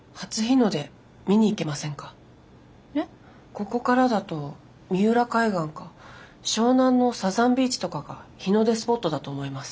ここからだと三浦海岸か湘南のサザンビーチとかが日の出スポットだと思います。